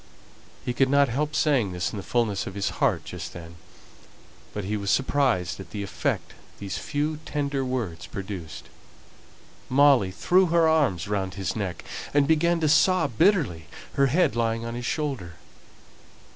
He could not help saying this in the fulness of his heart just then, but he was surprised at the effect these few tender words produced. Molly threw her arms round his neck, and began to sob bitterly, her head lying on his shoulder.